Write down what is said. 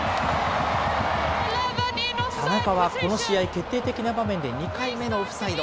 田中はこの試合、決定的な場面で２回目のオフサイド。